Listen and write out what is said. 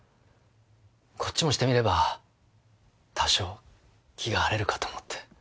こっちもしてみれば多少気が晴れるかと思って。